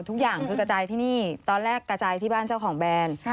ทุกอย่างคือกระจายที่นี่ตอนแรกกระจายที่บ้านเจ้าของแบรนด์